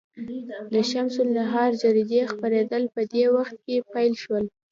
د شمس النهار جریدې خپرېدل په دې وخت کې پیل شول.